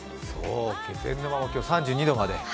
気仙沼も今日、３２度まで。